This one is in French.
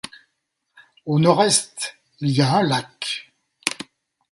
Au nord est, il y a un lac.